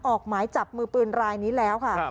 ออกหมายจับมือปืนรายนี้แล้วค่ะ